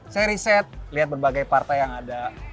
saya riset lihat berbagai partai yang ada